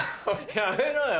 やめろよ